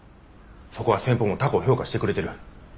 そこは先方も高う評価してくれとる。